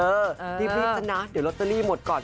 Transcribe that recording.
รีบซะนะเดี๋ยวลอตเตอรี่หมดก่อน